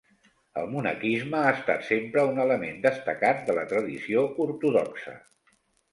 El monaquisme ha estat sempre un element destacat de la tradició ortodoxa.